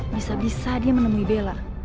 bisa bisa dia menemui bella